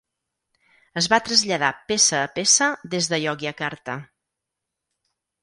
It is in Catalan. Es va traslladar peça a peça des de Yogyakarta.